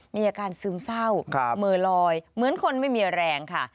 มีอาการซึมเศร้าเหม่อลอยเหมือนคนไม่มีแรงค่ะ